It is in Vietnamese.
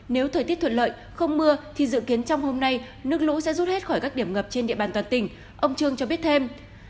nếu thời tiết thuận lợi không mưa thì dự kiến trong hôm nay nước lũ sẽ rút hết khỏi các điểm ngập trên địa bàn toàn tỉnh ông trương cho biết thêm